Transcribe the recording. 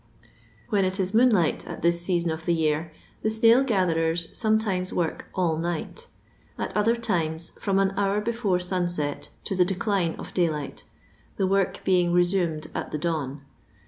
When it is moonlight at this teaeon of the year, the snail gatherers sometimes work all night ; at other times from an hour before sunset to the decline of daylight, the work being reeomed at the dawn.